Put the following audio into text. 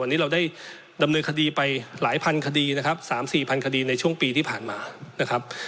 วันนี้เราได้ดำเนินคดีไปหลายพันคดีนะครับ๓๔พันคดีในช่วงปีที่ผ่านมานะครับ